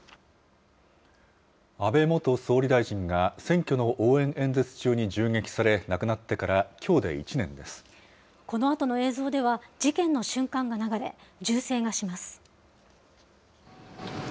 安倍元総理大臣が選挙の応援演説中に銃撃され、このあとの映像では、事件の瞬間が流れ、銃声がします。